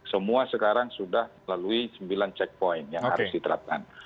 semua sekarang sudah melalui sembilan checkpoint yang harus diterapkan